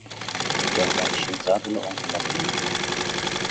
بۇ چاغدا ئىشىم زادىلا ئوڭغا باسمىدى.